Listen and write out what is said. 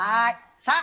さあ